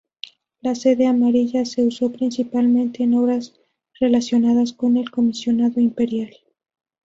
La seda amarilla se usó principalmente en obras relacionadas con el comisionado imperial.